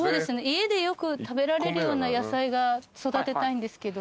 家でよく食べられるような野菜が育てたいんですけど。